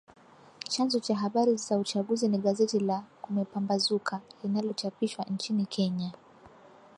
Chanzo cha habari za uchaguzi ni gazeti la “Kumepambazuka" linalochapishwa nchini Kenya.